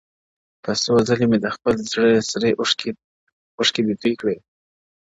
o په څو ځلي مي خپل د زړه سرې اوښکي دي توی کړي ـ